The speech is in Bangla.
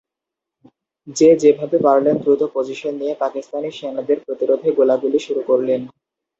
যে যেভাবে পারলেন দ্রুত পজিশন নিয়ে পাকিস্তানি সেনাদের প্রতিরোধে গোলাগুলি শুরু করলেন।